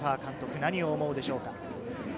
何を思うでしょうか。